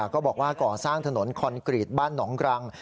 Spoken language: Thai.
ก็บอกว่าก่อสร้างถนนคอนกรีตบ้านหนองกรัง